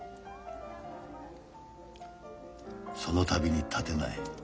その度に立てない。